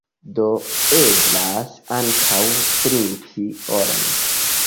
Do, eblas ankaŭ trinki oron.